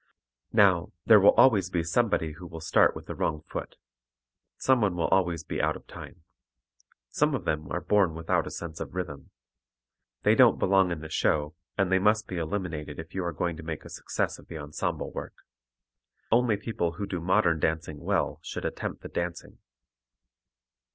Now, there will always be somebody who will start with the wrong foot. Someone will always be out of time. Some of them are born without a sense of rhythm. They don't belong in the show and they must be eliminated if you are going to make a success of the ensemble work; only people who do modern dancing well should attempt the dancing.